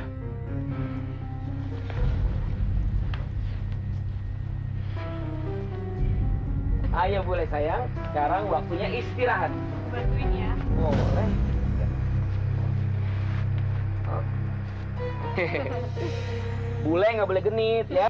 kalau organnya sekalipun akhirnya dia datang ke empat puluh sekitar per judasa investing